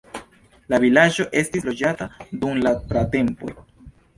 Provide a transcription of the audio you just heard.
La vilaĝo estis loĝata dum la pratempoj.